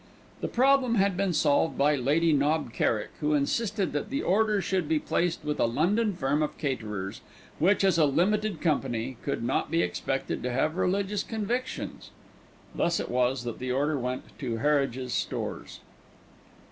The problem had been solved by Lady Knob Kerrick, who insisted that the order should be placed with a London firm of caterers, which, as a limited company, could not be expected to have religious convictions. Thus it was that the order went to Harridge's Stores.